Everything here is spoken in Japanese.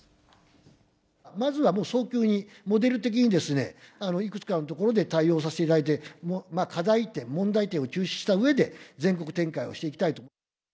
まずはもう、早急に、モデル的に、いくつかの所で対応させていただいて、課題点、問題点を抽出したうえで、全国展開をしていきたいと。